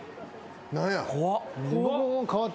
何や？